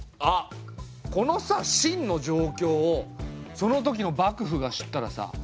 あっこのさ清の状況をその時の幕府が知ったらさ